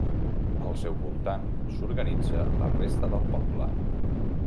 Al seu voltant s'organitza la resta del poble.